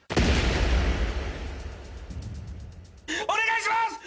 お願いします。